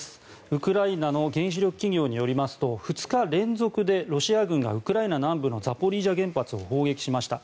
ウクライナの原子力企業によりますと２日連続でロシア軍がウクライナ南部のザポリージャ原発を砲撃しました。